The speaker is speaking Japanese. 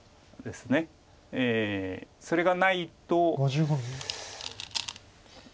それがないと。